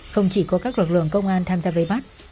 không chỉ có các lực lượng công an tham gia vây bắt